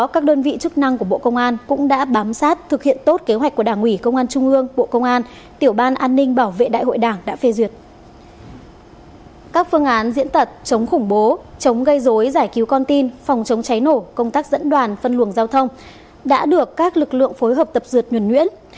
các phương án diễn tật chống khủng bố chống gây dối giải cứu con tin phòng chống cháy nổ công tác dẫn đoàn phân luồng giao thông đã được các lực lượng phối hợp tập dượt nguyền nguyễn